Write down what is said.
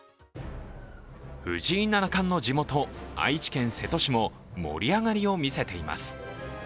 藤井七冠の地元、愛知県瀬戸市も盛り上がりを見せています。